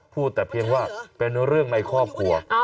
พูดแต่เพียงว่าเป็นเรื่องในครอบครัว